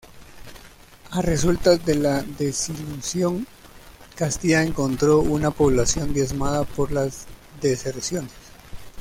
A resultas de la desilusión, Castilla encontró una población diezmada por las deserciones.